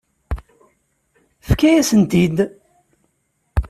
Tefka-yasent-t-id.